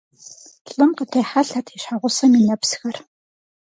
Лӏым къытехьэлъэрт и щхьэгъусэм и нэпсхэр.